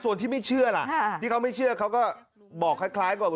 ส่วนที่ไม่เชื่อล่ะที่เขาไม่เชื่อเขาก็บอกคล้ายก่อน